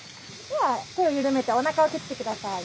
では手を緩めておなかを蹴って下さい。